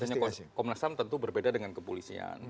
cara pekerjaannya komnas ham tentu berbeda dengan kepolisian